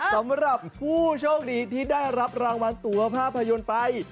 สำหรับผู้โชคดีที่ได้รับรางวัลตัวภาพยนตร์ไป